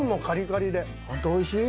ホントおいしい？